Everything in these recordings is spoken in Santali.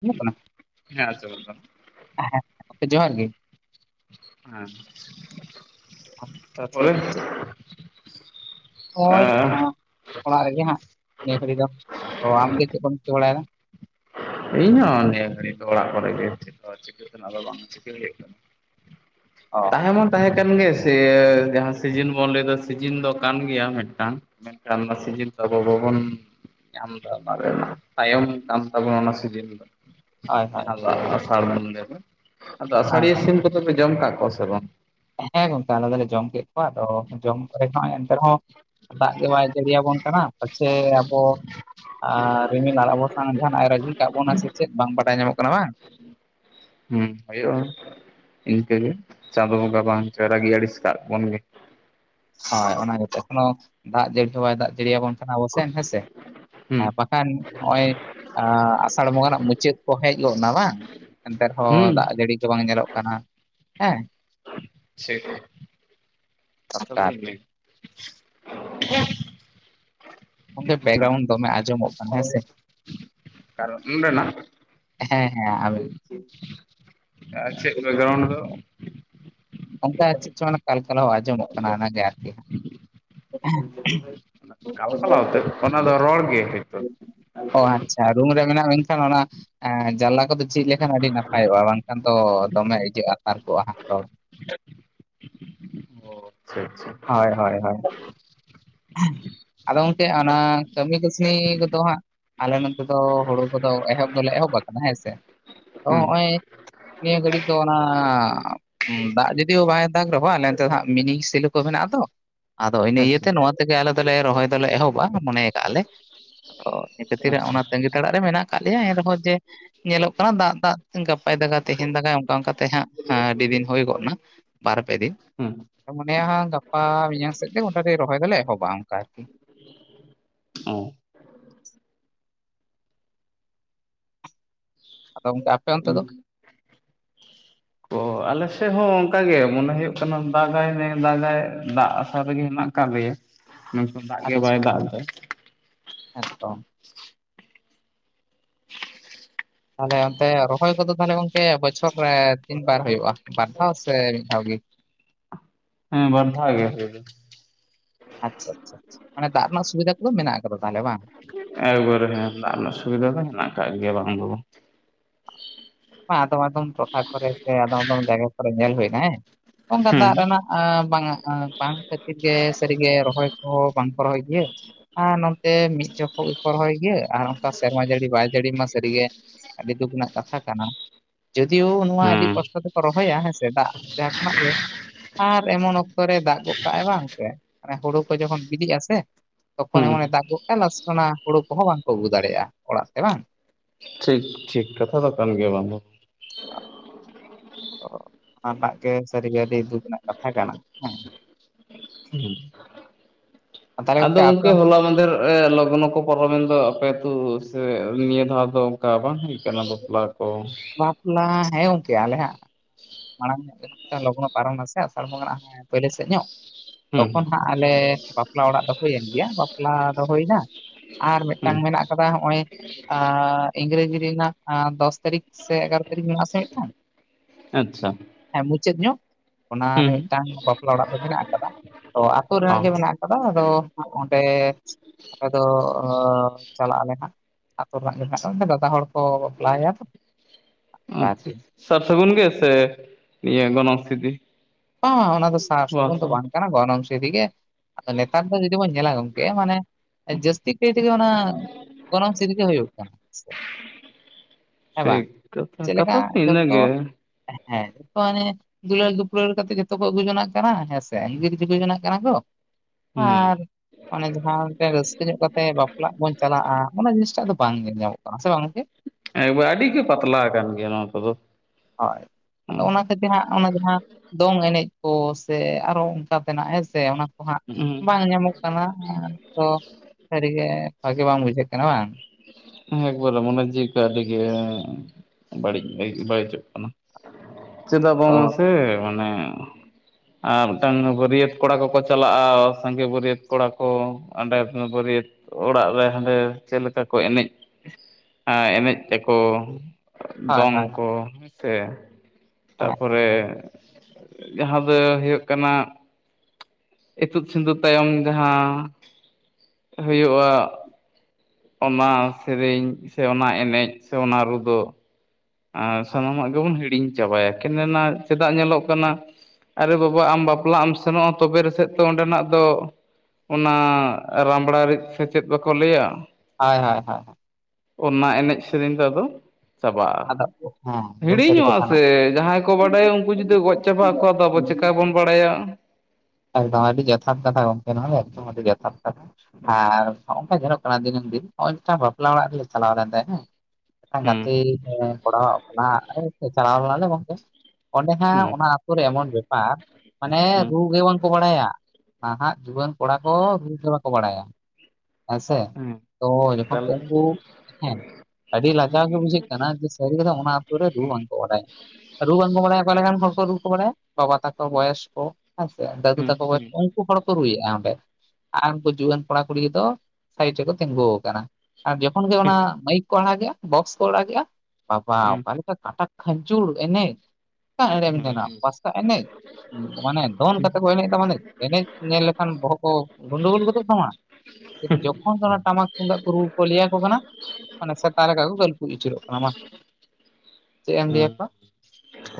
ᱟᱸᱡᱚᱢᱚᱜ ᱠᱟᱱᱟ? ᱦᱮᱸ ᱟᱪᱪᱷᱟ [inaudible] ᱦᱮᱸ ᱜᱚᱝᱠᱮ ᱡᱚᱦᱟᱨ ᱜᱮ᱾ ᱦᱮᱸ ᱛᱟᱯᱚᱨᱮ ᱱᱚᱜᱼᱚᱭ ᱚᱲᱟᱜ ᱨᱮᱜᱮ ᱦᱟᱸᱜ ᱱᱤᱭᱟᱹ ᱜᱟᱹᱲᱤᱡ ᱫᱚ ᱛᱚ ᱟᱢᱜᱮ ᱪᱮᱫ ᱠᱚᱢ ᱪᱤᱠᱟ ᱵᱟᱲᱟᱭᱮᱫᱟ ᱤᱧ ᱦᱚᱸ ᱱᱤᱭᱟᱹ ᱜᱷᱟᱹᱲᱤᱡ ᱫᱚ ᱚᱲᱟᱜ ᱠᱚᱨᱮ ᱜᱮ ᱪᱤᱠᱟᱹᱫᱚ ᱵᱟᱝ ᱪᱤᱠᱟᱹ ᱦᱩᱭᱩᱜ ᱠᱟᱱᱟ ᱚ ᱛᱟᱦᱮᱸ [unintelligible] ᱛᱟᱦᱮᱸ ᱠᱟᱱ ᱜᱮ ᱥᱮ ᱡᱟᱦᱟᱸ ᱥᱤᱡᱤᱱ ᱵᱚᱱ ᱞᱟᱹᱭᱫᱟ ᱥᱤᱡᱤᱱ ᱫᱚ ᱠᱟᱱ ᱜᱮᱭᱟ ᱢᱤᱫᱴᱟᱝ ᱢᱮᱱᱠᱷᱟᱱ ᱚᱱᱟ ᱥᱤᱡᱤᱱ ᱟᱵᱚ ᱵᱟᱵᱚᱱ ᱧᱟᱢ ᱮᱫᱟ ᱚᱱᱟ ᱛᱟᱭᱚᱢ ᱠᱟᱱ ᱛᱟᱵᱚᱱᱟ ᱚᱱᱟ [unintelligible] ᱫᱚ ᱦᱳᱭ ᱦᱳᱭ ᱦᱳᱭ᱾ ᱟᱥᱟᱲ [unintelligible] ᱟᱫᱚ ᱦᱮᱸ ᱟᱥᱟᱲᱤᱭᱟᱹ ᱥᱤᱢ ᱫᱚ ᱫᱚᱯᱮ ᱡᱚᱢ ᱠᱟᱜ ᱠᱚᱣᱟ ᱥᱮ ᱵᱟᱝ ᱦᱮᱸ ᱜᱚᱝᱠᱮ ᱟᱞᱮ ᱫᱚᱞᱮ ᱡᱚᱢ ᱠᱮᱫ ᱠᱚᱣᱟ ᱟᱫᱚ ᱡᱚᱢ ᱯᱚᱨᱮ [inaudible] ᱮᱱᱛᱮ ᱨᱮᱦᱚᱸ ᱫᱟᱜ ᱜᱮ ᱵᱟᱭ ᱡᱟᱹᱲᱤᱭᱟᱵᱚᱱ ᱠᱟᱱᱟ ᱯᱟᱪᱷᱮ ᱟᱵᱚ ᱟᱸ ᱨᱤᱢᱤᱞ ᱟᱵᱚ ᱥᱟᱱ ᱡᱟᱦᱟᱱᱟᱜ ᱮ ᱨᱟᱹᱜᱤ ᱠᱟᱜ ᱵᱚᱱᱟ ᱥᱮ ᱪᱮᱫ ᱵᱟᱝ ᱵᱟᱰᱟᱭ ᱧᱟᱢᱚᱜ ᱠᱟᱱᱟ ᱵᱟᱝ ᱦᱩᱸ ᱦᱩᱭᱩᱜᱼᱟ ᱤᱱᱠᱟᱹ ᱜᱮ ᱪᱟᱸᱫᱚ ᱵᱚᱸᱜᱟ ᱵᱟᱝ ᱪᱚᱭ ᱨᱟ. ᱜᱤ ᱟᱹᱲᱤᱥ ᱠᱟᱜ ᱵᱚᱱᱜᱮ ᱦᱳᱭ ᱚᱱᱟ ᱜᱮᱛᱚ ᱠᱚᱱᱳ ᱫᱟᱜ ᱡᱟᱹᱲᱤ ᱵᱟᱭ ᱫᱟᱜ ᱡᱟᱹᱲᱤ ᱭᱟᱵᱚᱱ ᱠᱟᱱᱟ ᱟᱵ ᱥᱮᱱ ᱦᱮᱸ ᱥᱮ, ᱦᱩᱸ ᱦᱮᱸ ᱵᱟᱠᱷᱟᱱ ᱱᱚᱜᱼᱚᱭ ᱟᱥᱟᱲ ᱵᱚᱸᱜᱟ ᱨᱮᱱᱟᱜ ᱢᱩᱪᱟᱹᱫ ᱠᱚ ᱦᱮᱡ ᱜᱚᱫ ᱱᱟ ᱵᱟᱝ? ᱮᱱᱛᱮ ᱦᱩᱸ ᱨᱮᱦᱚᱸ ᱫᱟᱜ ᱡᱟᱹᱲᱤ ᱜᱮ ᱵᱟᱝ ᱧᱮᱞᱚᱜ ᱠᱟᱱᱟ ᱦᱮᱸ ᱾ ᱴᱷᱤᱠ ᱠᱟᱛᱷᱟ ᱚᱱᱠᱟ ᱫᱚ ᱟᱨᱠᱤ ᱤᱱᱟᱹ ᱜᱮ [unintelligible] ᱜᱚᱝᱠᱮ ᱟᱫᱚ ᱵᱮᱠᱜᱨᱟᱣᱩᱱᱰ ᱫᱚᱢᱮ ᱟᱸᱡᱚᱢᱚᱜ ᱠᱟᱱᱟ ᱦᱮᱸ ᱥᱮ ᱾ [unintelligible] ᱦᱮᱸ ᱦᱮᱸ [unintelligible] ᱟᱨ ᱪᱮᱫ ᱵᱮᱜᱨᱟᱣᱩᱱᱰ ᱫᱚ ᱚᱱᱠᱟ ᱪᱮᱫᱪᱚᱝ ᱠᱟᱞᱠᱟᱞᱣ ᱟᱸᱡᱚᱢᱚᱜ ᱠᱟᱱᱟ ᱚᱱᱟᱜᱮ ᱟᱨᱠᱤ ᱦᱟᱸᱜ ᱾ [inaudible] [unintelligible] ᱠᱟᱞᱠᱟᱞᱟᱣ ᱛᱮ ᱚᱱᱟ ᱫᱚ ᱨᱚᱲ ᱜᱮ [unintelligible] ᱚᱸ ᱟᱪᱪᱷᱟ ᱨᱩᱢ ᱨᱮ ᱢᱮᱱᱟᱜ ᱵᱮᱱ ᱠᱷᱟᱱ ᱚᱱᱟ ᱮᱸ ᱡᱟᱞᱱᱟ ᱠᱚᱫᱚ ᱡᱷᱤᱡᱮ ᱞᱮᱠᱷᱟᱱ ᱟᱹᱰᱤ ᱱᱟᱯᱟᱭᱚᱜᱼᱟ ᱵᱟᱝ ᱠᱷᱟᱱ ᱫᱚ ᱫᱚᱢᱮ ᱤᱡᱟᱹᱜᱼᱟ ᱛᱟᱨ ᱠᱚᱜᱼᱟ ᱾ ᱟᱪᱪᱷᱟ ᱟᱪᱪᱷᱟ ᱦᱳᱭ ᱦᱳᱭ ᱦᱳᱭ ᱟᱫᱚ ᱜᱚᱝᱠᱮ ᱚᱱᱟ ᱠᱟᱹᱢᱤ ᱠᱟᱹᱥᱱᱤ ᱠᱚᱫᱚ ᱦᱟᱸᱜ ᱟᱞᱮ ᱱᱚᱛᱮ ᱫᱚ ᱦᱩᱲᱩ ᱠᱚᱫᱚ ᱮᱦᱚᱵ ᱫᱚᱞᱮ ᱮᱦᱚᱵ ᱟᱠᱟᱱᱟ ᱦᱮᱸ ᱥᱮ ᱛᱚ ᱦᱮᱸ ᱦᱚᱜᱼᱚᱭ ᱱᱤᱭᱟᱹ ᱜᱷᱟᱹᱲᱤᱡ ᱫᱚ ᱚᱱᱟ ᱫᱟᱜ ᱡᱩᱫᱤ ᱵᱟᱭ ᱫᱟᱜ ᱨᱮᱦᱚᱸ ᱟᱞᱮ ᱚᱱᱛᱮ ᱫᱚ ᱦᱟᱜ ᱢᱤᱱᱤ ᱥᱤᱞᱚ ᱢᱮᱱᱟᱜᱼᱟ ᱛᱚ ᱟᱫᱚ ᱤᱱᱟᱹ ᱟᱪᱪᱷᱟ ᱤᱭᱟᱹᱛᱮ ᱱᱚᱣᱟ ᱛᱮᱜᱮ ᱟᱞᱮ ᱫᱚᱞᱮ ᱨᱚᱦᱚᱭ ᱫᱚᱞᱮ ᱮᱦᱚᱵ ᱵᱟ ᱢᱚᱱᱮ ᱠᱟᱜᱼᱟ ᱞᱮ ᱟᱫᱚ ᱤᱱᱟ ᱠᱷᱟᱹᱛᱤᱨ ᱟᱪᱪᱷᱟ ᱚᱱᱟ ᱛᱟᱹᱜᱤ ᱛᱟᱲᱟᱜ ᱨᱮ ᱢᱮᱱᱟᱜ ᱟᱠᱟᱫ ᱞᱮᱭᱟ ᱮᱱᱨᱮᱦᱚᱸ ᱡᱮ ᱧᱮᱞᱚᱜ ᱠᱟᱱᱟ ᱫᱟᱜ ᱫᱟᱜ ᱜᱟᱯᱟᱭ ᱫᱟᱜᱟᱭ ᱛᱮᱦᱮᱧ ᱫᱟᱜᱟᱭ ᱚᱱᱠᱟ ᱚᱱᱠᱟ ᱛᱮ ᱦᱟᱸᱜ ᱟᱹᱰᱤ ᱫᱤᱱ ᱦᱩᱭ ᱜᱚᱫ ᱱᱟ, ᱵᱟᱨ ᱯᱮ ᱫᱤᱱ ᱦᱮᱸ ᱢᱚᱱᱮᱭᱟ ᱜᱟᱯᱟ ᱢᱮᱭᱟᱝ ᱥᱮᱫ ᱜᱮ ᱢᱚᱴᱟᱢᱩᱴᱤ ᱨᱚᱦᱚᱭ ᱫᱚᱞᱮ ᱮᱦᱚᱵᱟ ᱚᱱᱠᱟ ᱟᱨᱠᱤ ᱾ ᱚ ᱟᱫᱚ ᱚᱱᱠᱟ ᱟᱯᱮ ᱚᱱᱛᱮ ᱫᱚ? [inaudible] ᱚᱸ ᱟᱞᱮ ᱥᱮᱫ ᱦᱚᱸ ᱚᱱᱠᱟ ᱜᱮ ᱢᱚᱱᱮ ᱦᱩᱭᱩᱜ ᱠᱟᱱᱟ ᱫᱟᱜᱟᱭ ᱱᱮ ᱫᱟᱜᱟᱭ ᱫᱟᱜ ᱟᱥᱟ ᱨᱮᱜᱮ ᱦᱮᱱᱟᱜ ᱟᱠᱟᱫ ᱞᱮᱭᱟ ᱾ ᱱᱚᱛᱮ ᱫᱟᱜ ᱜᱮ ᱵᱟᱭ ᱫᱟᱜ ᱮᱫᱟᱭ ᱾ ᱦᱮᱛᱚ, ᱛᱟᱦᱚᱞᱮ ᱚᱱᱛᱮ ᱨᱚᱦᱚᱭ ᱠᱚᱫᱚ ᱛᱟᱦᱚᱞᱮ ᱜᱚᱝᱠᱮ ᱵᱚᱪᱷᱚᱨ ᱨᱮ ᱛᱤᱱ ᱵᱟᱨ ᱦᱩᱭᱩᱜᱼᱟ ᱵᱟᱨ ᱫᱷᱟᱣ ᱥᱮ ᱢᱤᱫ ᱫᱷᱟᱣ ᱜᱮ? ᱦᱮᱸ ᱵᱟᱨ ᱫᱷᱟᱣ ᱜᱮ [unintelligible] ᱟᱪᱪᱷᱟ ᱟᱪᱪᱷᱟ ᱟᱪᱪᱷᱟ ᱢᱟᱱᱮ ᱫᱟᱜ ᱨᱮᱱᱟᱜ ᱥᱩᱵᱤᱫᱷᱟ ᱠᱚᱫᱚ ᱢᱮᱱᱟᱜ ᱟᱠᱟᱫᱟ ᱛᱟᱦᱚᱞᱮ ᱵᱟᱝ? ᱮᱠᱵᱟᱨᱮ ᱦᱮᱸ ᱫᱟᱜ ᱨᱮᱱᱟᱜ ᱥᱩᱵᱤᱫᱷᱟ ᱫᱚ ᱢᱮᱱᱟᱜ ᱟᱠᱟᱜ ᱜᱮᱭᱟ ᱵᱟᱝ ᱵᱟᱝ ᱾ ᱟᱫᱚᱢ ᱟᱫᱚᱢ ᱴᱚᱴᱷᱟ ᱠᱚᱨᱮ ᱥᱮ ᱟᱫᱚᱢ ᱟᱫᱚᱢ ᱡᱟᱭᱜᱟ ᱠᱚᱨᱮ ᱧᱮᱞ ᱦᱩᱭᱱᱟ ᱦᱮᱸ ᱚᱱᱠᱟ ᱦᱮᱸ ᱫᱟᱜ ᱨᱮᱱᱟᱜ ᱟᱸ ᱵᱟᱝᱼᱟ ᱵᱟᱝ ᱠᱷᱟᱹᱛᱤᱨ ᱜᱮ ᱥᱟᱹᱨᱤ ᱜᱮ ᱨᱚᱦᱚᱭ ᱠᱚᱦᱚᱸ ᱵᱟᱝ ᱠᱚ ᱨᱚᱦᱚᱭ ᱜᱮᱭᱟᱹ ᱟᱨ ᱱᱚᱛᱮ ᱢᱤᱫ ᱡᱚᱠᱷᱚᱡ ᱜᱮᱠᱚ ᱨᱚᱦᱚᱭ ᱜᱮᱭᱟᱹ ᱟᱨ ᱚᱱᱠᱟ ᱥᱮᱨᱢᱟ ᱡᱟᱹᱲᱤ ᱵᱟᱭ ᱡᱟᱹᱲᱤ ᱢᱟ ᱥᱟᱹᱨᱤ ᱜᱮ ᱟᱹᱰᱤ ᱫᱩᱠ ᱨᱮᱱᱟᱜ ᱠᱟᱛᱷᱟ ᱠᱟᱱᱟ ᱾ ᱡᱚᱫᱤᱭᱳ ᱱᱚᱣᱟ ᱟᱹᱰᱤ ᱦᱮᱸ ᱠᱚᱥᱴᱚ ᱛᱮᱠᱚ ᱨᱚᱦᱚᱭᱟ ᱦᱮᱸᱥᱮ ᱫᱟᱜ ᱡᱟᱦᱟᱸ ᱠᱷᱚᱱᱟᱜ ᱜᱮ, ᱟᱨ ᱮᱢᱚᱱ ᱚᱠᱛᱚ ᱨᱮ ᱫᱟᱜ ᱜᱚᱫ ᱠᱟᱜᱼᱟᱭ ᱵᱟᱝ ᱥᱮ ᱢᱟᱱᱮ ᱦᱩᱲᱩ ᱠᱚ ᱡᱚᱠᱷᱚᱱ ᱵᱤᱞᱤᱜ-ᱟ ᱥᱮ ᱾ ᱛᱚᱠᱷᱚᱱ ᱦᱮᱸ ᱮᱢᱚᱱᱮ ᱫᱟᱜ ᱜᱚᱜᱼᱟ ᱞᱟᱥ ᱨᱮ ᱚᱱᱟ ᱦᱩᱲᱩ ᱠᱚᱦᱚᱸ ᱵᱟᱝ ᱠᱚ ᱟᱹᱜᱩ ᱫᱟᱲᱮᱭᱟᱜᱼᱟ ᱚᱲᱟᱜ ᱛᱮ ᱵᱟᱝ? ᱴᱷᱤᱠ ᱴᱷᱤᱠ ᱠᱟᱛᱷᱟ ᱫᱚ ᱠᱟᱱ ᱜᱮᱭᱟ ᱵᱟᱝ ᱫᱚ [inaudible] ᱚᱱᱟ ᱴᱟᱜ ᱜᱮ ᱥᱟᱹᱨᱤ ᱜᱮ ᱟᱹᱰᱤ ᱫᱩᱠ ᱨᱮᱱᱟᱜ ᱠᱟᱛᱷᱟ ᱠᱟᱱᱟ ᱦᱮᱸ ᱦᱮᱸ ᱛᱟᱦᱚᱞᱮ ᱟᱫᱚ ᱟᱯᱮ ᱜᱚᱝᱠᱮ ᱚᱱᱛᱮ ᱦᱚᱞᱟ ᱢᱟᱫᱷᱮᱨ ᱞᱚᱜᱽᱱᱚ ᱯᱚᱞᱚᱢᱮᱱ ᱫᱚ ᱟᱯᱮ ᱟᱹᱛᱩ ᱥᱮ ᱱᱤᱭᱟᱹ ᱫᱷᱟᱣ ᱫᱚ ᱚᱱᱠᱟ ᱵᱟᱝ ᱵᱟᱯᱞᱟ ᱠᱚ ᱦᱮᱸ ᱜᱚᱝᱠᱮ ᱟᱞᱮ ᱦᱟᱜ ᱢᱟᱲᱟᱝ ᱧᱚᱜ ᱢᱤᱫ ᱴᱟᱝ ᱞᱚᱜᱱᱚ ᱯᱟᱨᱚᱢ ᱱᱟᱥᱮ ᱟᱥᱟᱲ ᱵᱚᱸᱜᱟ ᱱᱟᱜ ᱯᱳᱭᱞᱳ ᱥᱮᱫ ᱧᱚᱜ ᱛᱚᱠᱷᱚᱱ ᱦᱩᱸ ᱦᱟᱸᱜ ᱟᱞᱮ ᱵᱟᱯᱞᱟ ᱚᱲᱟᱜ ᱫᱚ ᱦᱩᱭᱮᱱ ᱜᱮᱭᱟ ᱵᱟᱯᱞᱟ ᱫᱚ ᱦᱩᱭᱱᱟ, ᱟᱨ ᱦᱩᱸ ᱢᱤᱫᱴᱟᱝ ᱢᱮᱱᱟᱜ ᱟᱠᱟᱫᱟ ᱦᱚᱜ-ᱚᱭ ᱟᱻ ᱤᱝᱨᱮᱡᱤ ᱨᱮᱱᱟᱜ ᱫᱚᱥ ᱛᱟᱨᱤᱠᱷ ᱥᱮ ᱮᱜᱟᱨᱚ ᱛᱟᱹᱨᱤᱠᱷ ᱢᱮᱱᱟᱜ ᱟᱥᱮ ᱢᱤᱫᱴᱟᱝ ᱾ ᱟᱪᱪᱷᱟ, ᱦᱮᱸ ᱢᱩᱪᱟᱹᱫ ᱧᱚᱜ ᱚᱱᱟᱨᱮ ᱦᱩᱸ ᱢᱤᱫᱴᱟᱝ ᱵᱟᱯᱞᱟ ᱚᱲᱟᱜ ᱫᱚ ᱢᱮᱱᱟᱜ ᱟᱠᱟᱫᱟ ᱛᱚ ᱟᱛᱳ ᱚ ᱨᱮᱱᱟᱜ ᱜᱮ ᱢᱮᱱᱟᱜ ᱟᱠᱟ ᱟᱫᱚ ᱚᱸᱰᱮ ᱟᱞᱮ ᱫᱚ ᱪᱟᱞᱟᱜ ᱟᱞᱮ ᱦᱟᱸᱜ ᱾ ᱟᱛᱳ ᱨᱮᱱᱟᱜ ᱜᱮ ᱫᱟᱫᱟ ᱦᱚᱲ ᱠᱚ ᱵᱟᱯᱞᱟ ᱟᱭᱟ ᱾ ᱟᱪᱪᱷᱟ ᱥᱟᱨ ᱥᱟᱹᱜᱩᱱ ᱜᱮ ᱥᱮ ᱤᱭᱟᱹ ᱜᱚᱱᱚᱥᱝᱥ ᱛᱷᱤᱛᱤ ᱵᱟᱝ ᱚᱱᱟ ᱫᱚ ᱥᱟᱨ ᱥᱟᱹᱜᱩᱱ ᱫᱚ ᱵᱟᱝ ᱠᱟᱱᱟ ᱜᱚᱱᱚᱝ ᱥᱤᱫᱷᱤᱜᱮ ᱟᱫᱚ ᱱᱮᱛᱟᱨ ᱫᱚ ᱡᱩᱫᱤ ᱵᱚᱱ ᱧᱮᱞᱟ ᱜᱚᱝᱠᱮ ᱢᱟᱱᱮ ᱡᱟᱹᱥᱛᱤ ᱠᱟᱭ ᱛᱮᱜᱮ ᱚᱱᱟ ᱜᱚᱱᱚᱝ ᱥᱤᱫᱷᱤ ᱜᱮ ᱦᱩᱭᱩᱜ ᱠᱟᱱᱟ ᱦᱮᱸ ᱵᱟᱝ ᱴᱷᱤᱠ ᱠᱟᱛᱷᱟ ᱪᱮᱫ ᱞᱮᱠᱟ ᱠᱟᱛᱷᱟ ᱫᱚ ᱡᱷᱚᱛᱚ ᱤᱱᱟᱹᱜᱮ ᱦᱮᱸ ᱢᱟᱱᱮ ᱢᱟ. ᱫᱩᱞᱟ. ᱬ ᱫᱩᱯᱰᱟᱣ ᱫᱩᱞᱟᱹᱲ ᱠᱟᱛᱮᱜ ᱡᱷᱚᱛᱚ ᱠᱚ ᱟᱹᱜᱩ ᱡᱚᱱᱟᱜ ᱠᱟᱱᱟ ᱦᱮᱸ ᱥᱮ ᱟᱸᱱᱴᱜᱤᱨ ᱡᱚᱱᱟᱜ ᱠᱟᱱᱟ ᱠᱚ ᱟᱨ ᱦᱩᱸ ᱚᱱᱮ ᱡᱟᱦᱟᱸ ᱢᱤᱫᱴᱮᱱ ᱨᱟᱹᱥᱠᱟᱹ ᱧᱚᱜ ᱠᱟᱛᱮ ᱵᱟᱯᱞᱟᱜ ᱵᱚᱱ ᱪᱟᱞᱟᱜ-ᱟ ᱚᱱᱟ ᱡᱤᱱᱤᱥᱴᱟᱜ ᱫᱚ ᱵᱟᱝ ᱧᱮᱞ ᱧᱟᱢᱚᱜ-ᱟ ᱟᱥᱚᱜ-ᱟ ᱜᱚᱝᱠᱮ ᱦᱷᱦᱹᱰᱤᱜᱮ ᱯᱟᱛᱞᱟ ᱟᱠᱟᱱ ᱜᱮᱭᱟ ᱱᱚᱣᱟ ᱠᱚ ᱫᱚ ᱦᱳᱭ ᱚᱱᱟ ᱦᱟᱜ ᱚᱱᱟ ᱡᱟᱦᱟᱸ ᱫᱚᱝ ᱮᱱᱮᱡ ᱠᱚ ᱥᱮ ᱟᱨᱚ ᱚᱱᱠᱟ ᱛᱮᱱᱟᱜ ᱦᱮᱸ ᱥᱮᱴ ᱚᱱᱟ ᱠᱚᱦᱟᱸᱜ ᱵᱟᱝ ᱧᱟᱢᱚᱜ ᱠᱟᱱᱟ ᱛᱚ ᱥᱟᱹᱨᱤᱜᱮ ᱵᱷᱟᱜᱤ ᱵᱟᱝ ᱵᱩᱡᱷᱟᱹᱜ ᱠᱟᱱᱟ ᱵᱟᱝ ᱮᱠᱵᱟᱨᱮ ᱢᱚᱱᱮ ᱡᱤᱣᱤ ᱠᱚ ᱟᱹᱰᱤ ᱜᱮ ᱵᱟᱹᱲᱤᱡ ᱵᱟᱹᱲᱤᱡᱚᱜᱟ ᱠᱟᱱᱟ ᱪᱮᱫᱟᱜ ᱚ ᱵᱟᱝᱟᱥᱮ ᱢᱟᱱᱮ ᱟᱨ ᱢᱤᱫᱴᱟᱝ ᱵᱟᱹᱨᱭᱟᱹᱛ ᱠᱚᱲᱟ ᱠᱚᱠᱚ ᱪᱟᱞᱟᱜ-ᱟ ᱥᱟᱸᱜᱮ ᱵᱟᱹᱨᱭᱟᱹᱛ ᱠᱚᱲᱟ ᱠᱚ ᱚᱸᱰᱮ ᱵᱟᱹᱨᱭᱟᱹᱛ ᱚᱲᱟᱜ ᱨᱮ ᱦᱟᱸᱰᱮ ᱪᱮᱫ ᱞᱮᱠᱟ ᱠᱚ ᱮᱱᱮᱡ ᱮᱱᱮᱡ ᱛᱟᱠᱚ ᱦᱳᱭ ᱫᱚᱝ ᱦᱳᱭ ᱠᱚ ᱦᱮᱸ ᱥᱮ ᱦᱮᱸ ᱦᱮᱸ ᱛᱟᱯᱚᱨᱮ ᱡᱟᱦᱟᱸ ᱫᱚ ᱦᱩᱭᱩᱜ ᱠᱟᱱᱟ ᱤᱛᱩᱫ ᱥᱤᱸᱫᱩᱨ ᱛᱟᱭᱚᱢ ᱡᱟᱦᱟᱸ ᱦᱩᱭᱩᱜ-ᱟ ᱚᱱᱟ ᱥᱮᱨᱮᱧ ᱥᱮ ᱚᱱᱟ ᱮᱱᱮᱡ ᱥᱮ ᱚᱱᱟ ᱨᱩᱫᱚ ᱟᱨ ᱥᱟᱱᱟᱢᱟᱜ ᱜᱮᱵᱚᱱ ᱦᱤᱲᱤᱧ ᱪᱟᱵᱟᱭᱟ ᱠᱮᱱ ᱪᱮᱫᱟᱜ ᱧᱮᱞᱚᱜ ᱠᱟᱱᱟ ᱟᱨᱮ ᱵᱟᱵᱟ ᱟᱢ ᱵᱟᱯᱞᱟᱜ ᱮᱢ ᱥᱮᱱᱚᱜ-ᱟ ᱛᱚᱵᱮ ᱨᱮᱥᱮᱫ ᱛᱚ ᱚᱸᱰᱮ ᱱᱟᱜ ᱫᱚ ᱚᱱᱟ ᱨᱟᱢᱲᱟ ᱨᱤᱡ ᱥᱮᱪᱮᱫ ᱵᱟᱠᱚ ᱞᱟᱹᱭᱟ ᱦᱟᱭ ᱦᱟᱭ ᱦᱳᱭ ᱚᱱᱟ ᱮᱱᱮᱡ ᱥᱮᱨᱮᱧ ᱨᱮ ᱟᱫᱚ ᱪᱟᱵᱟᱜ-ᱟ ᱟᱫᱚ ᱦᱮᱸ ᱮᱠᱫᱚᱢ ᱥᱟᱹᱨᱤ ᱦᱤᱲᱤᱧᱚᱜ-ᱟ ᱠᱟᱛᱷᱟ ᱥᱮ ᱱᱟᱜ ᱡᱟᱦᱟᱸᱭ ᱠᱚ ᱵᱟᱰᱟᱭᱟ ᱩᱱᱠᱩ ᱡᱩᱫᱤ ᱜᱚᱡ ᱪᱟᱵᱟᱟᱜ ᱠᱚᱣᱟ ᱟᱵᱚ ᱪᱤᱠᱟᱹ ᱵᱚᱱ ᱵᱟᱲᱟᱭᱟ ᱮᱠᱫᱚᱢ ᱟᱹᱰᱤ ᱡᱚᱛᱷᱟᱛ ᱜᱚᱢᱠᱮ ᱱᱚᱣᱟ ᱫᱚ ᱮᱫᱚᱢ ᱟᱹᱰᱤ ᱡᱚᱛᱷᱟᱛ ᱠᱟᱛᱷᱟ ᱟᱨᱠᱟ ᱡᱮᱞᱚᱜ ᱠᱟᱱᱟ ᱫᱤᱱᱟᱹᱢ ᱫᱤᱱ ᱱᱚᱜ-ᱚᱭ ᱢᱤᱫᱴᱟᱝ ᱵᱟᱯᱞᱟ ᱚᱲᱟᱜ ᱨᱮᱞᱮ ᱪᱟᱞᱟᱣ ᱞᱮᱱ ᱛᱟᱦᱮᱸ ᱢᱤᱫᱴᱟᱝ ᱜᱟᱛᱮ ᱦᱩᱸ ᱠᱚᱲᱟᱣᱟᱜ ᱠᱟᱱᱟ ᱪᱟᱞᱟᱣ ᱞᱮᱱᱟ ᱞᱮ ᱜᱚᱝᱠᱮ ᱚᱸᱰᱮ ᱦᱟᱸᱜ ᱦᱩᱸ ᱚᱱᱟ ᱮᱢᱚᱱ ᱵᱮᱯᱟᱨ ᱢᱟᱱᱮ ᱦᱩᱸ ᱨᱩᱜᱽ ᱮᱢᱚᱱ ᱵᱟᱲᱟᱭᱟ ᱱᱟᱦᱟᱜ ᱡᱩᱣᱟᱹᱱ ᱠᱚᱲᱟ ᱠᱚ ᱨᱩᱡᱽ ᱜᱮ ᱵᱟᱠᱚ ᱵᱟᱲᱟᱭᱟ ᱦᱮᱸᱥᱮ ᱦᱩᱸ ᱛᱚ ᱡᱚᱠᱷᱚᱱ ᱛᱟᱦᱚᱞᱮ ᱩᱱᱠᱩ ᱦᱮᱸ ᱟᱹᱰᱤ ᱞᱟᱡᱟᱣ ᱜᱮ ᱵᱩᱡᱷᱟᱹᱜ ᱠᱟᱱᱟ ᱥᱟᱹᱨᱤ ᱠᱟᱛᱷᱟ ᱚᱱᱟ ᱟᱹᱛᱩ ᱨᱮ ᱨᱩ ᱵᱟᱝᱠᱚ ᱵᱟᱲᱟᱭᱟ ᱨᱩ ᱵᱟᱝᱠᱚ ᱵᱟᱲᱟᱭᱟ ᱚᱠᱟ ᱞᱮᱠᱟᱱ ᱦᱚᱲ ᱠᱚ ᱨᱩ ᱠᱚ ᱵᱟᱲᱟᱭᱟ ᱵᱟᱵᱟ ᱛᱟᱠᱚ ᱵᱚᱭᱮᱥᱠᱚ ᱠᱚ ᱦᱮᱸᱥᱮ ᱫᱟᱫᱩ ᱦᱩᱸ ᱛᱟᱠᱚ ᱵᱚᱭᱮᱥ ᱦᱩᱸ ᱠᱚ ᱩᱱᱠᱩ ᱦᱚᱲ ᱠᱚ ᱨᱩᱭᱮᱫ-ᱟ ᱚᱸᱰᱮ ᱟᱨ ᱩᱱᱠᱩ ᱡᱩᱣᱟᱹᱱ ᱠᱚᱲᱟ ᱠᱩᱲᱤ ᱫᱚ ᱥᱟᱭᱤᱰ ᱨᱮᱠᱚ ᱛᱤᱸᱜᱩ ᱟᱠᱟᱱᱟ ᱟᱨ ᱡᱚᱠᱷᱚᱱ ᱜᱮ ᱚᱱᱟ ᱢᱟᱹᱭᱤᱠ ᱠᱚ ᱟᱲᱟᱜ ᱜᱮᱜ-ᱟ ᱵᱚᱠᱥ ᱠᱚ ᱚᱲᱟᱜ ᱜᱮᱭᱟ ᱵᱟᱵᱟ ᱦᱩᱸ ᱚᱠᱟ ᱞᱮᱠᱟ ᱠᱟᱴᱟ ᱠᱷᱟᱸᱡᱩᱨ ᱮᱱᱮᱡ ᱚᱡᱟᱜ ᱮᱱᱮᱡ ᱮᱢ ᱢᱮᱱᱟ ᱦᱩᱸ ᱯᱟᱥᱠᱟ ᱮᱱᱮᱡ ᱢᱟᱱᱮ ᱫᱚᱱ ᱠᱟᱛᱮ [unintelligible] ᱢᱟᱱᱮ ᱮᱱᱮᱡ ᱧᱮᱞ ᱞᱮᱠᱷᱟᱱ ᱵᱚᱦᱚ ᱠᱚ ᱜᱩᱹᱰᱳᱜᱳᱞ ᱜᱚᱫᱚᱜ ᱛᱟᱢᱟ ᱡᱚᱠᱷᱚᱱ ᱫᱚ ᱚᱱᱟ ᱴᱟᱢᱟᱠ ᱛᱩᱢᱫᱟᱜ ᱠᱚ ᱨᱩ ᱠᱚ ᱞᱟᱹᱭᱟᱠᱚ ᱠᱟᱱᱟ ᱢᱟᱱᱮ ᱥᱮᱛᱟ ᱞᱮᱠᱟ ᱜᱟᱞᱯᱩᱡ ᱟᱹᱪᱩᱨᱚᱜ ᱠᱟᱱᱟ ᱢᱟ ᱪᱮᱫ ᱮᱢ ᱞᱟᱹᱭ ᱦᱩᱸ ᱟᱠᱚᱣᱟ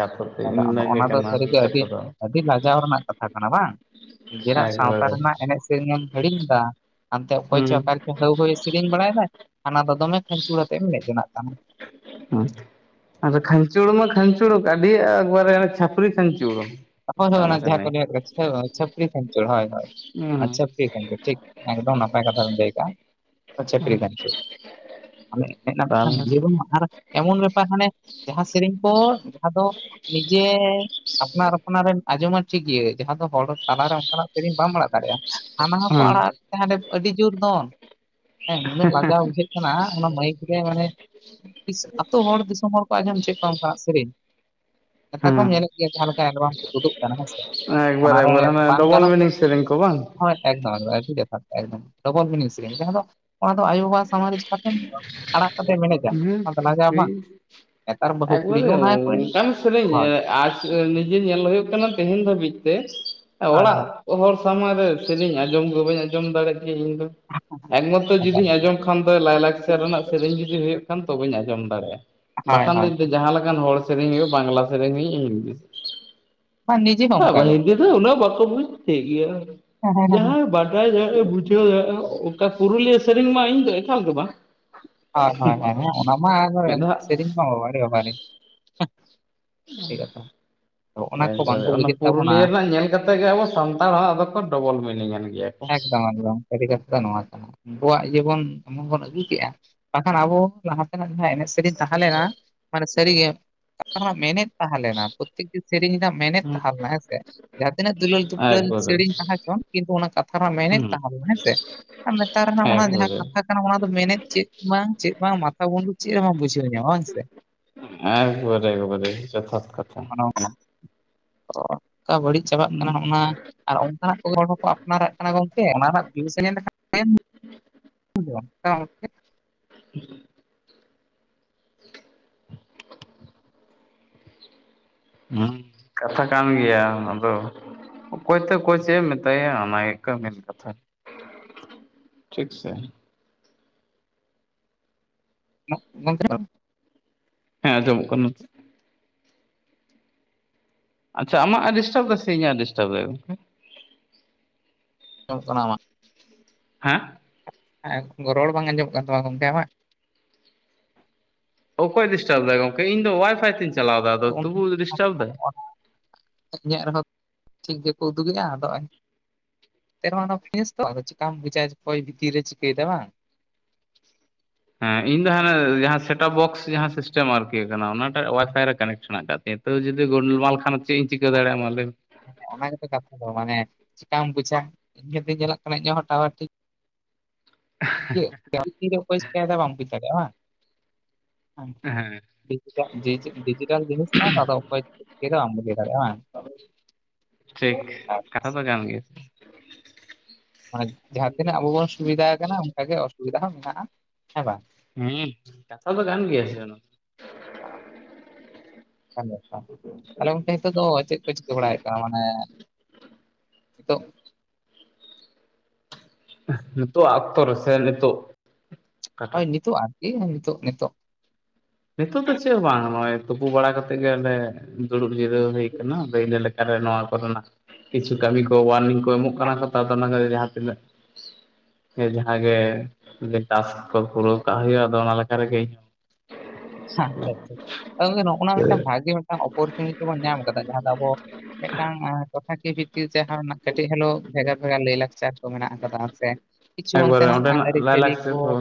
ᱟᱯᱮᱯᱮ ᱛᱟᱦᱚᱞᱮ ᱤᱧ ᱪᱟᱞᱟᱣ ᱚᱱᱟ ᱫᱚ ᱠᱟᱱᱟ ᱥᱟᱹᱨᱤᱜᱮ ᱟᱹᱰᱤ ᱠᱟᱛᱷᱟ ᱫᱚ ᱟᱹᱰᱤ ᱞᱟᱡᱟᱣ ᱨᱮᱱᱟᱜ ᱠᱟᱛᱷᱟ ᱠᱟᱱᱟ ᱵᱟᱝ ᱱᱤᱡᱮᱨᱟᱜ ᱥᱟᱶᱛᱟ ᱮᱠᱵᱟᱨᱮ ᱨᱮᱱᱟᱜ ᱮᱱᱮᱡ ᱥᱮ ᱮᱢ ᱦᱤᱲᱤᱧ ᱮᱫᱟ ᱦᱟᱱᱛᱮ ᱚᱠᱚᱭ ᱪᱚ ᱦᱩᱸ ᱚᱠᱟᱞᱮ ᱦᱟᱹᱣᱦᱟᱹᱭ ᱥᱮᱨᱮᱧ ᱵᱟᱲᱟᱭᱮᱫᱟᱭ ᱦᱟᱱᱟ ᱫᱚ ᱫᱚᱢᱮ ᱠᱷᱟᱧᱪᱩᱲ ᱟᱛᱮᱢ ᱢᱮᱫ ᱡᱚᱱᱟᱜ ᱠᱟᱱᱟ ᱦᱩ ᱟᱫᱚ ᱠᱷᱟᱧᱪᱚᱲ ᱢᱟ ᱠᱷᱟᱧᱪᱚᱲ ᱟᱹᱰᱤ ᱮᱠᱵᱟᱨᱮ ᱪᱷᱟᱯᱨᱤ ᱠᱷᱟᱧᱪᱚᱲ ᱚᱱ ᱡᱟᱦᱟᱸ ᱚᱱᱟ ᱠᱳ ᱞᱮᱭᱮᱜ ᱠᱟᱱ ᱪᱷᱟᱯᱨᱤ ᱠᱷᱟᱱᱪᱚᱨ ᱴᱷᱤᱠ ᱦᱮᱸ ᱟᱪᱷᱮ ᱴᱷᱤᱠ ᱮᱠᱫᱚᱢ ᱱᱟᱯᱟᱭ ᱠᱟᱛᱷᱟᱢ ᱞᱟᱹᱭ ᱟᱠᱟᱜ-ᱟ ᱪᱷᱟᱯᱨᱤ ᱠᱷᱟᱱᱪᱚᱜ ᱦᱮᱡᱱᱟᱢ ᱢᱤᱫᱴᱟᱝ ᱤᱭᱟᱹ ᱵᱟᱱᱩᱜ-ᱟ ᱟᱨ ᱮᱢᱚᱱ ᱵᱮᱯᱟᱨ ᱦᱟᱱᱮ ᱡᱟᱦᱟᱸ ᱥᱮᱨᱮᱧ ᱠᱚ ᱡᱟᱦᱟᱸ ᱫᱚ ᱱᱤᱡᱮ ᱟᱯᱱᱟᱨ ᱠᱚᱱᱟᱨᱣᱢ ᱟᱸᱡᱚᱢᱟ ᱴᱷᱤᱠ ᱜᱮ ᱡᱟᱦᱟᱸ ᱫᱚ ᱦᱚᱲ ᱛᱟᱞᱟᱨᱮ ᱚᱱᱠᱟᱱᱟᱜ ᱥᱮᱨᱮᱧ ᱵᱟᱢ ᱟᱲᱟᱜ ᱫᱟᱲᱮᱭᱟᱜᱼᱟ ᱦᱟᱱᱟ ᱠᱚ ᱟᱲᱟᱜ ᱦᱟᱸᱰᱮ ᱟᱹᱰᱤ ᱡᱳᱨ ᱫᱚᱱ ᱦᱮᱸ ᱱᱩᱱᱟᱹᱜ ᱞᱟᱜᱟᱣ ᱵᱩᱡᱷᱟᱹᱜ ᱠᱟᱱᱟ ᱚᱱᱟ ᱢᱟᱹᱭᱤᱠ ᱨᱮ ᱢᱟᱱᱮ [unintelligible] ᱟᱛᱚ ᱦᱚᱲ ᱫᱤᱥᱚᱢ ᱦᱚᱲ ᱠᱚ ᱟᱸᱡᱚᱢ ᱚᱪᱚᱭᱮᱫ ᱠᱚᱣᱟ ᱚᱱᱠᱟᱱᱟᱜ ᱥᱮᱨᱮᱧ ᱠᱟᱴᱟ ᱠᱚᱢ ᱦᱮᱸ ᱧᱮᱞᱮᱫ ᱜᱮᱭᱟ ᱡᱟᱦᱟᱸ ᱞᱮᱠᱟ ᱮᱞᱵᱚᱢ ᱩᱫᱩᱜ ᱠᱟᱱᱟ ᱦᱮᱸᱥᱮ ᱮᱠᱵᱟᱨᱮ ᱚᱱᱟᱨᱮ ᱮᱠᱵᱟᱨᱮ ᱚᱱᱮ ᱵᱟᱝ ᱰᱚᱵᱚᱞ ᱜᱟᱱᱚᱜ ᱢᱤᱱᱤᱝ ᱥᱮᱨᱮᱧ ᱠᱚ ᱵᱟᱝ ᱦᱳᱭ ᱮᱠᱫᱚᱢ ᱮᱠᱫᱚᱢ ᱮᱠᱫᱚᱢ ᱟᱹᱰᱤ ᱡᱚᱛᱷᱟᱛ ᱮᱠᱫᱚᱢ ᱴᱚᱵᱚᱞ ᱢᱤᱱᱤᱝ ᱥᱮᱨᱮᱧ ᱚᱱᱟ ᱫᱚ ᱟᱭᱳᱼᱵᱟᱵᱟ ᱥᱟᱢᱟᱝ ᱨᱮ ᱪᱮᱠᱟ ᱛᱮᱢ ᱟᱲᱟᱜ ᱠᱟᱛᱮᱢ ᱮᱱᱮᱡ [unintelligible] ᱵᱟᱹᱦᱩ ᱠᱩᱲᱤ ᱮᱠᱵᱟᱨᱮ ᱦᱚᱸ ᱚᱱᱟ ᱜᱮᱠᱚ ᱮᱱᱮᱡ ᱚᱱᱠᱟᱱ ᱥᱮᱨᱮᱧ ᱦᱳᱭ [unintelligible] ᱡᱮ ᱧᱮᱞ ᱦᱩᱭᱩᱜ ᱠᱟᱱᱟ ᱛᱮᱦᱮᱧ ᱫᱷᱟᱹᱵᱤᱡ ᱛᱮ ᱮ ᱦᱳᱭ ᱚᱲᱟᱜ ᱦᱳᱭ ᱠᱚ ᱦᱚᱲ ᱥᱟᱢᱟᱝ ᱨᱮ ᱥᱮᱨᱮᱧ ᱟᱸᱡᱚᱢ ᱜᱮ ᱵᱟᱹᱧ ᱟᱸᱡᱚᱢ ᱫᱟᱲᱮᱭᱟᱜ ᱜᱮᱭᱟ ᱤᱧ ᱫᱚ ᱮᱠ ᱢᱚᱛᱚ ᱮᱠᱟᱞ ᱡᱩᱫᱤᱧ ᱟᱡᱚᱢ ᱠᱷᱟᱱ ᱫᱚ ᱞᱟᱭᱞᱟᱠᱪᱟᱨ ᱨᱮᱱᱟᱜ ᱥᱮᱨᱮᱧ ᱡᱩᱫᱤ ᱦᱩᱭᱩᱜ ᱠᱷᱟᱱ ᱛᱚᱵᱮᱧ ᱟᱸᱡᱚᱢ ᱫᱟᱲᱮᱭᱟᱜᱼᱟ ᱦᱳᱭ ᱵᱟᱠᱷᱟᱱ ᱦᱳᱭ ᱫᱚ ᱡᱟᱦᱟᱸ ᱞᱮᱠᱟᱱ ᱦᱚᱲ ᱥᱮᱨᱮᱧ ᱦᱩᱭᱩᱜᱼᱟ ᱵᱟᱝᱞᱟ ᱥᱮᱨᱮᱧ ᱦᱩᱭᱩᱜ ᱤᱝᱞᱤᱥ ᱵᱟᱝ ᱱᱤᱡᱮ ᱦᱚᱸ ᱚᱱᱠᱟ ᱵᱟᱝ ᱜᱚᱝᱠᱮ ᱦᱤᱱᱫᱤ ᱫᱚ ᱩᱱᱟᱹᱜ ᱵᱟᱠᱚ ᱵᱩᱡ ᱴᱷᱤᱠ ᱜᱮᱭᱟ ᱡᱟᱦᱟᱸᱭ ᱵᱟᱲ [unintelligible] ᱚᱱᱠᱟ ᱯᱩᱨᱩᱞᱤᱭᱟᱹ ᱥᱮᱨᱮᱧ ᱢᱟ ᱤᱧ ᱢᱟ ᱤᱧᱫᱚ ᱮᱠᱟᱞ ᱜᱮ ᱵᱟ ᱦᱳᱭ ᱦᱳᱭ ᱦᱳᱭ ᱦᱮᱸ ᱚᱱᱟ ᱢᱟ ᱮᱠᱵᱟᱨᱮ ᱢᱮᱫ ᱫᱷᱟᱣ ᱥᱮᱨᱮᱧ ᱢᱟ ᱵᱟᱵᱟᱨᱮ ᱵᱟᱵᱟᱨᱮ [unintelligible] ᱠᱚ ᱮᱠᱵᱟᱨᱮ ᱵᱟᱝᱠᱚ ᱚᱱᱟ ᱵᱩᱡᱮᱫ ᱛᱟᱵᱚᱱᱟ ᱯᱩᱨᱩᱞᱤᱭᱟᱹ ᱨᱮᱱᱟᱜ ᱧᱮᱞ ᱠᱟᱛᱮᱜ ᱜᱮ ᱟᱵᱚ ᱥᱟᱱᱛᱟᱲ ᱦᱚ ᱟᱫᱚᱠᱚ ᱰᱚᱵᱚᱞ ᱢᱤᱱᱤᱝ ᱮᱱ ᱜᱮᱭᱟ ᱠᱚ ᱮᱠᱫᱚᱢ ᱮᱠᱫᱚᱢ ᱥᱟᱹᱨᱤ ᱠᱟᱛᱷᱟ ᱫᱚ ᱱᱚᱣᱟ ᱠᱟᱱᱟ ᱩᱱᱠᱩᱣᱟᱜ ᱤᱭᱟᱹᱵᱚᱱ ᱮᱢᱚᱱ ᱵᱚᱱ ᱟᱹᱜᱩ ᱠᱮᱜᱼᱟ ᱵᱟᱠᱷᱟᱱ ᱟᱵᱚ ᱞᱟᱦᱟ ᱛᱮᱱᱟᱜ ᱡᱟᱸᱦᱟ ᱮᱱᱮᱡ ᱥᱮᱨᱮᱧ ᱛᱟᱦᱮᱸᱞᱮᱱᱟ ᱢᱟᱱᱮ ᱥᱟᱹᱨᱤᱜᱮ ᱚ ᱢᱮᱱᱮᱫ ᱛᱟᱦᱮᱸ ᱞᱮᱱᱟ ᱯᱨᱚᱛᱮᱠᱴᱤ ᱥᱮᱨᱮᱧ ᱨᱮᱱᱟᱜ ᱢᱮᱱᱮᱫ ᱦᱩᱸ ᱛᱟᱦᱮᱸ ᱞᱮᱱᱟ ᱦᱮᱸ ᱥᱮ ᱡᱟᱦᱟ ᱛᱤᱱᱟᱹᱜ ᱫᱩᱞᱟᱹᱲ ᱫᱩᱯᱞᱟᱹᱞ ᱮᱠᱵᱟᱨᱮ ᱥᱤᱨᱤᱧ ᱛᱟᱸᱦᱮ ᱪᱚᱱ ᱠᱤᱱᱛᱩ ᱚᱱᱟ ᱠᱟᱛᱷᱟ ᱨᱮᱱᱟᱜ ᱢᱮᱱᱮᱫ ᱦᱩᱸ ᱛᱟᱸᱦᱮ ᱞᱮᱱᱟ ᱦᱮᱸ ᱥᱮ ᱟᱨ ᱱᱮᱛᱟᱨ ᱨᱮᱱᱟᱜ ᱚᱱᱟ ᱡᱟᱦᱟ ᱮᱠᱵᱟᱨᱮ ᱠᱟᱛᱷᱟ ᱠᱟᱱᱟ ᱚᱱᱟ ᱫᱚ ᱢᱮᱱᱮᱫ ᱪᱮᱫ ᱵᱟᱝ ᱪᱮᱫ ᱵᱟᱝ ᱢᱟᱛᱷᱟ ᱢᱩᱱᱰᱩ ᱪᱮᱫ ᱦᱚᱸ ᱵᱟᱢ ᱵᱩᱡᱷᱟᱹᱣ ᱧᱟᱢᱟ ᱵᱟᱝ ᱥᱮ ᱮᱠ ᱵᱟᱨᱮ ᱮᱠ ᱵᱟᱨᱮ ᱡᱚᱛᱷᱟᱛ ᱠᱟᱛᱷᱟ ᱚᱱᱟ ᱚᱱᱠᱟ [unintelligible] ᱵᱟᱹᱲᱤᱡ ᱪᱟᱵᱟᱜ ᱠᱟᱱᱟ ᱦᱚᱸᱜᱼᱚ ᱱᱟ ᱟᱨ ᱚᱱᱠᱟᱱᱟᱜ ᱠᱚᱜᱮ ᱦᱚᱲ ᱦᱚᱠᱳ ᱟᱯᱱᱟᱨᱟᱜ ᱠᱟᱱᱟ ᱜᱚᱝᱠᱮ ᱚᱱᱟ ᱨᱮᱱᱟᱜ ᱵᱷᱤᱭᱩᱥ ᱮᱢ ᱧᱮᱞ ᱞᱮᱠᱷᱟᱱ [unintelligible] ᱦᱮᱸ ᱠᱟᱛᱷᱟ ᱠᱟᱱ ᱜᱮᱭᱟ ᱟᱫᱚ ᱚᱠᱚᱭᱛᱮ ᱚᱠᱚᱭ ᱪᱮᱫ ᱮ ᱢᱮᱛᱟᱭᱟ ᱚᱱᱟ ᱦᱩᱭᱩᱜ ᱠᱟᱱᱟ ᱢᱮᱱ ᱠᱟᱛᱷᱟ ᱴᱷᱤᱠ ᱥᱮ [inaudible] ᱦᱮᱸ ᱟᱡᱚᱢᱚᱜ ᱠᱟᱱ ᱟᱪᱪᱷᱟ ᱟᱢᱟᱜ ᱮ ᱰᱤᱥᱴᱟᱵ ᱮᱫᱟ ᱥᱮ ᱤᱧᱟᱜ ᱮ ᱰᱤᱥᱴᱟᱵ ᱫᱟ ᱜᱚᱝᱠᱮ [unintelligible] ᱦᱟᱸ ᱦᱮᱸ ᱨᱚᱲ ᱵᱟᱝ ᱟᱸᱡᱚᱢᱚᱜ ᱠᱟᱱ ᱛᱟᱢᱟ ᱜᱚᱢᱠᱮ ᱟᱢᱟᱜ ᱚᱠᱚᱭ ᱰᱤᱥᱴᱟᱵ ᱫᱟᱭ ᱜᱚᱢᱠᱮ ᱤᱧ ᱫᱚ ᱚᱣᱟᱭ ᱯᱷᱟᱭ ᱛᱮᱧ [unintelligible] ᱤᱧᱟᱜ ᱨᱮᱦᱚᱸᱴᱷᱤᱠ ᱜᱮᱠᱚ ᱩᱫᱩᱜᱮᱫᱼᱟ ᱟᱫᱚ [inaudible] ᱪᱤᱠᱟᱢ ᱵᱩᱡᱟ ᱚᱠᱚᱭ ᱵᱷᱤᱛᱤᱨ ᱨᱮ ᱪᱤᱠᱟᱹᱭ ᱫᱟ ᱵᱟᱝ ᱦᱮᱸ ᱤᱧ ᱫᱚ ᱦᱟᱱᱮ ᱡᱟᱸᱦᱟ ᱥᱮᱴᱟᱯ ᱵᱚᱠᱥ ᱡᱟᱸᱦᱟ ᱥᱤᱥᱴᱮᱢ ᱟᱨᱠᱤ ᱠᱟᱱᱟ ᱚᱱᱟᱴᱟᱜ ᱚᱣᱟᱭᱯᱷᱟᱭ ᱨᱮ ᱠᱟᱱᱮᱴ ᱢᱮᱱᱟᱜ ᱟᱠᱟᱫ ᱛᱤᱧᱟ ᱛᱟᱹᱣ ᱡᱩᱫᱤ ᱜᱳᱞ ᱢᱟᱞ ᱠᱷᱟᱱ ᱪᱮᱫ ᱤᱧ ᱪᱤᱠᱟᱹ ᱫᱟᱲᱮᱭᱟᱜᱼᱟ ᱢᱟ ᱞᱟᱹᱭᱢᱮ ᱚᱱᱟ ᱜᱮᱛᱚ ᱠᱟᱛᱷᱟ ᱫᱚ ᱢᱟᱱᱮ ᱪᱮᱠᱟᱢ ᱵᱩᱡᱟ ᱤᱱᱠᱟ ᱛᱮ ᱧᱮᱞᱚᱜ ᱠᱟᱱᱟ ᱤᱧᱟᱜ ᱦᱚ ᱴᱟᱣᱟᱨ ᱴᱷᱤᱠ [unintelligible] ᱚᱠᱚᱭ ᱪᱮᱠᱟᱭ ᱫᱟ ᱵᱟᱢ ᱵᱩᱪ ᱫᱟᱲᱟᱭᱟᱜᱼᱟ ᱵᱟᱝ ᱦᱮᱸ ᱰᱤᱡᱤᱴᱟᱞ ᱡᱤᱱᱤᱥ ᱠᱟᱱᱟ ᱟᱫᱚ ᱚᱠᱚᱭ [unintelligible] ᱵᱟᱢ ᱵᱩᱡᱟᱹᱣ ᱫᱟᱲᱮᱭᱟᱜᱼᱟ ᱵᱟᱝ ᱴᱷᱤᱠ ᱟᱨ ᱠᱟᱛᱷᱟ ᱛᱚ ᱜᱟᱱ ᱜᱮᱭᱟ᱾ ᱢᱟᱱᱮ ᱡᱟᱦᱟᱸ ᱛᱤᱱᱟᱹᱜ ᱟᱵᱚ ᱵᱚᱱ ᱥᱩᱵᱤᱫᱷᱟ ᱠᱟᱱᱟ ᱚᱱᱠᱟᱜ ᱜᱮ ᱚᱥᱩᱵᱤᱫᱟ ᱦᱚᱸ ᱢᱮᱱᱟᱜᱼᱟ ᱾ ᱦᱮᱸ ᱵᱟᱝ? ᱦᱮᱸ ᱠᱟᱛᱷᱟ ᱫᱚ ᱠᱟᱱ ᱜᱮᱭᱟ ᱥᱮ ᱚᱱᱟ ᱫᱚ᱾ ᱚᱝᱠᱟᱱ ᱵᱮᱯᱟᱨ ᱛᱟᱦᱞᱮ ᱜᱚᱝᱠᱮ ᱱᱤᱛᱚᱜ ᱫᱚ ᱪᱮᱫ ᱠᱚ ᱪᱤᱠᱟᱹ ᱵᱟᱲᱟᱭᱮᱫ ᱠᱟᱱᱟ? ᱢᱟᱱᱮ ᱱᱤᱛᱚᱜ ᱱᱤᱛᱚᱜᱼᱟᱜ ᱚᱠᱛᱚ ᱨᱮ ᱥᱮ ᱱᱤᱛᱚᱜ ᱦᱳᱭ ᱚᱠᱟᱴᱟᱜ ᱱᱤᱛᱚᱜ ᱟᱨᱠᱤ ᱱᱤᱛᱚᱜ ᱱᱤᱛᱚᱜ᱾ ᱱᱤᱛᱳᱜ ᱫᱚ ᱪᱮᱜ ᱦᱚᱸ ᱵᱟᱝ ᱱᱚᱜᱼᱚᱭ ᱛᱩᱯᱩ ᱵᱟᱲᱟ ᱠᱟᱛᱮᱜ ᱜᱮ ᱚᱸᱰᱮ ᱫᱩᱲᱩᱵ ᱡᱤᱨᱟᱹᱣ ᱦᱩᱭ ᱠᱟᱱᱟ, ᱟᱫᱚ ᱤᱱᱟᱹ ᱞᱮᱠᱟᱨᱮ ᱱᱚᱣᱟ ᱠᱚᱨᱮᱱᱟᱜ ᱠᱤᱪᱷᱩ ᱠᱟᱹᱢᱤ ᱠᱚ ᱳᱟᱨᱱᱤᱝ ᱠᱚ ᱮᱢᱚᱜ ᱠᱟᱱᱟ ᱠᱚ ᱛᱚ ᱚᱱᱟ ᱡᱟᱦᱟᱸ ᱛᱤᱱᱟᱹᱜ ᱡᱟᱦᱟᱸ ᱜᱮ ᱴᱟᱞᱥ ᱠᱚ ᱯᱩᱨᱟᱹᱣ ᱠᱟᱜ ᱦᱩᱭᱩᱜᱼᱟ ᱟᱫᱚ ᱚᱱᱟ ᱞᱮᱠᱟ ᱨᱮᱜᱮ ᱤᱧ ᱦᱚᱸ ᱟᱪᱪᱷᱟ ᱟᱪᱪᱷᱟ, ᱱᱚᱜᱼᱚ ᱱᱚᱣᱟ ᱟᱪᱪᱷᱟ ᱟᱪᱪᱷᱟ ᱟᱫᱚ ᱣᱚᱝᱠᱮ ᱱᱚᱜᱼᱱᱟ ᱢᱤᱫᱴᱟᱝ ᱵᱷᱟᱜᱤ ᱢᱤᱫᱴᱟᱝ ᱚᱯᱚᱨᱪᱩᱱᱤᱴᱤ ᱵᱚᱱ ᱧᱟᱢ ᱠᱟᱫᱟ ᱡᱟᱦᱟᱸ ᱫᱚ ᱟᱵᱚ ᱢᱤᱫ ᱴᱟᱝ ᱟᱸ ᱴᱚᱴᱷᱟᱠᱩᱭᱟᱹ ᱵᱷᱤᱛᱤᱨ ᱡᱟᱦᱟᱸᱱᱟᱜ ᱠᱟᱹᱴᱤᱡ ᱦᱮᱞᱳ ᱵᱷᱮᱜᱟᱨ ᱵᱷᱮᱜᱟᱨ ᱞᱟᱹᱭ ᱞᱟᱠᱪᱟᱨ ᱠᱚ ᱢᱮᱱᱟᱜ ᱠᱟᱫᱟ, ᱥᱮ ᱠᱤᱪᱷᱩ ᱮᱠᱵᱟᱨᱮ ᱚᱱᱛᱮᱱᱟᱜ ᱚᱸᱰᱮᱱᱟᱜ ᱟᱹᱨᱤᱪᱟᱹᱞᱤ ᱞᱟᱭᱼᱞᱟᱠᱪᱟᱨ ᱠᱚ ᱫᱚ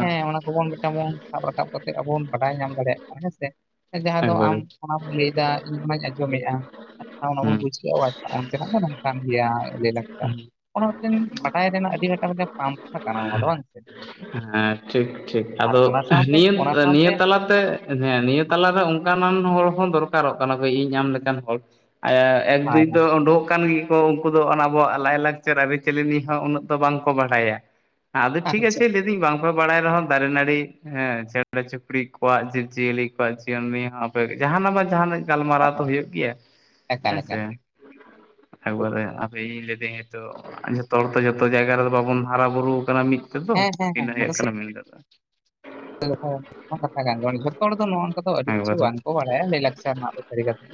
ᱦᱮᱸ ᱚᱱᱟ ᱠᱚᱵᱚᱱ ᱛᱮᱢᱚᱱ ᱥᱟᱵ ᱨᱟᱠᱟᱵ ᱠᱟᱛᱮ ᱟᱵ ᱵᱚᱱ ᱵᱟᱰᱟᱭ ᱧᱟᱢ ᱫᱟᱲᱮᱭᱟᱜ ᱠᱟᱱᱟ ᱦᱮᱸ ᱥᱮ᱾ ᱡᱟᱦᱟᱸ ᱫᱚ ᱟᱢ ᱮᱠᱵᱟᱨᱮ ᱚᱱᱟᱢ ᱞᱟᱹᱭᱫᱟ ᱤᱧ ᱚᱱᱟᱧ ᱟᱸᱡᱚᱢᱮᱫᱼᱟ ᱟᱪᱪᱷᱟ ᱚᱱᱟ ᱵᱚᱱ ᱦᱩᱸ ᱵᱩᱡ [unintelligible] ᱚᱱᱛᱮ ᱱᱚᱜ ᱫᱚ ᱚᱱᱠᱟᱱ ᱜᱮᱭᱟ ᱞᱟᱹᱭ ᱞᱟᱠᱪᱟᱨ᱾ ᱚᱱᱟ ᱢᱮᱫᱴᱮᱱ ᱵᱟᱰᱟᱭ ᱨᱮᱱᱟᱜ ᱟᱹᱰᱤ ᱟᱴᱟᱝ ᱢᱤᱫ ᱯᱟᱱᱛᱷᱟ ᱜᱟᱱᱟ ᱟᱫᱚ ᱵᱟᱝ ᱥᱮ᱾ ᱦᱮᱸ ᱴᱷᱤᱠ ᱴᱷᱤᱠ ᱟᱨ ᱟᱫᱚ ᱚᱱᱟ ᱥᱟᱶᱛᱮ ᱱᱤᱭᱟᱹ ᱚᱱᱟ ᱱᱤᱭᱟᱹ ᱥᱟᱶᱛᱮ ᱛᱟᱞᱟᱛᱮ ᱦᱮᱸ ᱱᱤᱭᱟᱹ ᱛᱟᱞᱟᱨᱮ ᱚᱝᱠᱟᱱᱟᱱ ᱦᱚᱲ ᱦᱚᱸ ᱫᱚᱨᱠᱟᱨᱚᱜ ᱠᱟᱱᱟ ᱤᱧ ᱟᱢ ᱞᱮᱠᱟᱱ ᱦᱚᱲ ᱮᱸ ᱮᱠ ᱦᱳᱭ ᱫᱩᱭ ᱫᱚ ᱩᱰᱩᱠ ᱟᱠᱟᱱ ᱜᱤ ᱩᱝᱠᱩ ᱫᱚ ᱟᱵᱚᱣᱟᱜ ᱞᱟᱭᱼᱞᱟᱠᱪᱟᱨ ᱟᱹᱨᱤᱪᱟᱹᱞᱤᱤ ᱦᱚᱸ ᱩᱱᱟᱹᱜ ᱫᱚ ᱵᱟᱝᱠᱚ ᱵᱟᱲᱟᱭᱟ᱾ ᱟᱫᱚ ᱴᱷᱤᱠ ᱟᱪᱪᱷᱟ ᱟᱪᱮ ᱵᱟᱝᱯᱮ ᱵᱟᱲᱟᱭ ᱨᱮᱦᱚᱸ ᱫᱟᱨᱮ ᱱᱟᱹᱲᱤ ᱦᱮᱸ ᱪᱮᱬᱮ ᱪᱩᱯᱲᱤ ᱠᱚᱣᱟᱜ ᱡᱤᱵᱽ ᱡᱤᱭᱟᱹᱞᱤ ᱡᱤᱭᱚᱱ ᱱᱤᱭᱮ ᱦᱚᱸ ᱟᱯᱮ ᱡᱟᱦᱟᱱᱟᱜ ᱵᱟ ᱡᱟᱦᱱᱟᱜ ᱦᱳᱭ ᱜᱟᱞᱢᱟᱨᱟᱣ ᱛᱚ ᱦᱳᱭ ᱦᱩᱭᱩᱜ ᱜᱮᱭᱟ ᱮᱠᱟᱞ ᱦᱮᱸᱥᱮ ᱮᱠᱟᱞ ᱴᱷᱤᱠ ᱮᱠᱵᱟᱨᱮ ᱤᱧ ᱞᱟᱹᱭ ᱞᱟᱹᱧ ᱫᱟᱹᱧ ᱧᱤᱛᱚᱜ ᱦᱚᱲ ᱛᱚ ᱡᱚᱛᱚ ᱡᱟᱭᱜᱟ ᱨᱮᱫᱚ ᱵᱟᱵᱚᱱ ᱦᱟᱨᱟ ᱵᱩᱨᱩ ᱟᱠᱟᱱᱟ ᱢᱤᱫ ᱛᱚᱜ ᱦᱮᱸ ᱦᱮᱸ ᱫᱚᱤᱱᱟᱹ ᱦᱩᱭᱩᱜ ᱠᱟᱱᱟ ᱢᱮᱱ ᱠᱟᱛᱷᱟ᱾ ᱦᱮᱸ ᱦᱮᱸ ᱚᱱᱟ ᱢᱟ ᱠᱟᱛᱷᱟ ᱠᱟᱱ ᱜᱮᱭᱟ ᱜᱟᱱ ᱡᱚᱛᱚ ᱦᱚᱲ ᱫᱚ ᱱᱚ ᱫᱚ ᱟᱹᱰᱤ ᱠᱤᱪᱷᱩ ᱮᱠᱵᱟᱨᱮ ᱵᱟᱝᱠᱚ ᱵᱟᱲᱟᱭᱟ ᱞᱟᱹᱭᱞᱟᱠᱪᱟᱨ ᱨᱮᱱᱟᱜ ᱫᱚ ᱥᱟᱹᱨᱤ ᱠᱟᱛᱷᱟ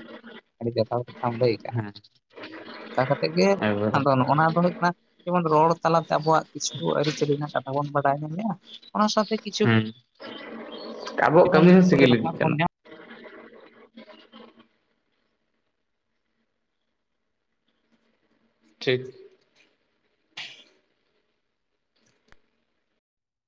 ᱟᱹᱰᱤ ᱡᱚᱛᱷᱟᱛ ᱠᱟᱛᱷᱟᱢ ᱞᱟᱹᱭ ᱟᱠᱟᱟᱜᱼᱟ᱾ ᱦᱮᱸ ᱠᱟ ᱠᱟᱛᱮᱜ ᱜᱮ ᱮᱠᱵᱟᱨᱮ ᱟᱫᱚ ᱱᱚᱜᱼᱱᱟ ᱫᱚ ᱦᱩᱭᱩᱜ ᱠᱟᱱᱟ᱾ ᱡᱮᱢᱚᱱ ᱨᱚᱲ ᱛᱟᱞᱟᱛᱮ ᱟᱵᱚᱣᱟᱜ ᱠᱤᱪᱷᱩ ᱟᱹᱨᱤᱪᱟᱹᱞᱤ ᱨᱮᱱᱟᱜ ᱠᱟᱛᱷᱟ ᱵᱚᱱ ᱵᱟᱰᱟᱭ ᱧᱟᱢᱮᱫᱼᱟ ᱚᱱᱟ ᱥᱟᱶᱛᱮ ᱠᱤᱪᱷᱩ ᱦᱮᱸ ᱟᱵᱚᱣᱟᱜ ᱵᱚᱱ ᱠᱟᱹᱢᱤ ᱦᱚᱸ ᱥᱤᱜᱤᱞ ᱤᱫᱤᱜ ᱠᱟᱱᱟ᱾ ᱴᱷᱤᱠ